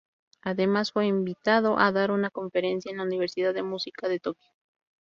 Además fue invitado a dar una conferencia en la Universidad de música de Tokyo.